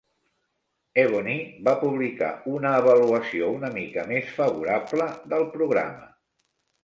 "Ebony" va publicar una avaluació una mica més favorable del programa.